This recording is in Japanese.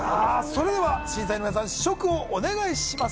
それでは審査員の皆さん試食をお願いします